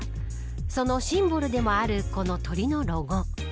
そのシンボルでもあるこの鳥のロゴ。